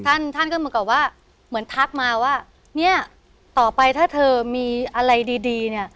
ท่านท่านก็เหมือนกับว่าเหมือนทักมาว่าเนี่ยต่อไปถ้าเธอมีอะไรดีดีเนี่ย